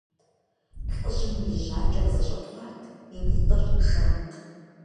ЛӀыжьым и жьакӀэр зэщӀэтхъуат, и нитӀыр жант.